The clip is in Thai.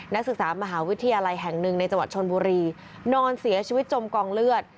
นักศึกษามหาวิทยาลัยแห่งหนึ่งในจังหวัดชนบุรีนอนเสียชีวิตจมกองเลือด